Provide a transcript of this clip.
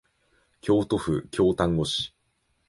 京都府京丹後市